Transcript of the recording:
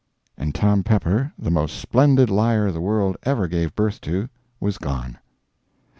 And Tom Pepper, the most splendid liar the world ever gave birth to, was gone!